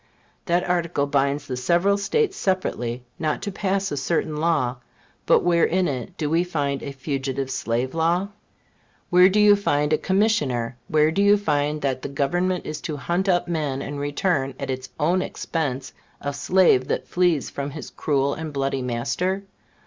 That article binds the several States separately not to pass a certain law, but where in it do we find a Fugitive Slave Law? Where do you find a Commissioner? Where do you find that the Government is to hunt up and return, at its own expense, a slave that flees from his cruel and bloody master?